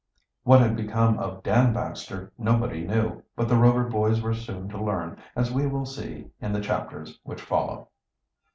What had become of Dan Baxter nobody knew, but the Rover boys were soon to learn, as we will see in the chapters which follow.